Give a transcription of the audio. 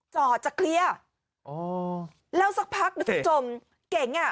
ต่อจะเคลียร์โหแล้วสักพักเดี๋ยวทุกคนจมเก่งอ่ะ